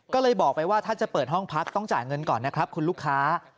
ก็เลยบอกไปว่าถ้าจะเปิดห้องพักต้องจ่ายเงินก่อนนะครับคุณลูกค้า